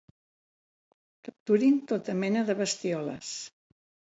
Capturin tota mena de bestioles.